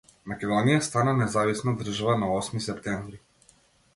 Македонија стана независна држава на Осми септември.